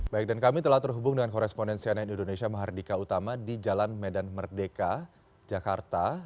baik dan kami telah terhubung dengan korespondensi ann indonesia mahardika utama di jalan medan merdeka jakarta